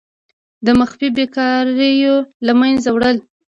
د مخفي بیکاریو له منځه وړل.